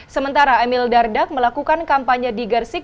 sementara emil dardak melakukan kampanye di gersik